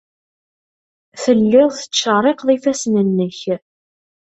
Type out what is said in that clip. Telliḍ tettcerriqeḍ ifassen-nnek.